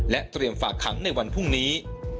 เตรียมฝากขังในวันพรุ่งนี้